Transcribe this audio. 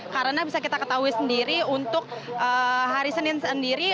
karena bisa kita ketahui sendiri untuk hari senin sendiri